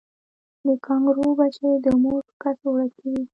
د کانګارو بچی د مور په کڅوړه کې وي